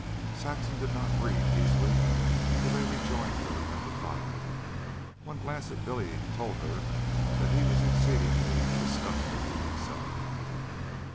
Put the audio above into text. Saxon did not breathe easily till they rejoined her at the fire. One glance at Billy told her that he was exceedingly disgusted with himself.